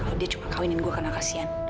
oh dia cuma kawinin gue karena kasihan